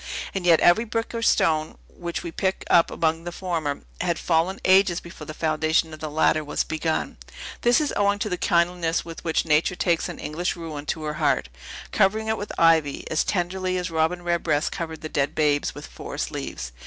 And yet every brick or stone, which we pick up among the former, had fallen ages before the foundation of the latter was begun. This is owing to the kindliness with which Natures takes an English ruin to her heart, covering it with ivy, as tenderly as Robin Redbreast covered the dead babes with forest leaves.